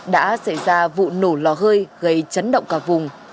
đã xảy ra vụ nổ lò hơi gây chấn động cả vùng